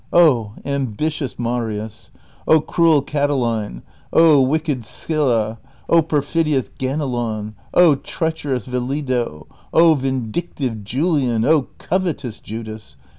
O, am bitious Marius ! O, cruel Catiline ! O, wicked Sylla ! O, perfidious Ganelon ! O, treacherous Veliido ! O, vindictive Julian !' O, covetous Judas!